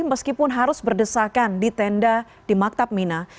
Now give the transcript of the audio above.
meskipun harus berdesakan di tenda di maktab mina